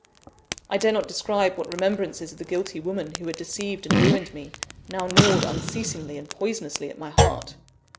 I dare not describe what remembrances of the guilty woman who had deceived and ruined me, now gnawed unceasingly and poisonously at my heart.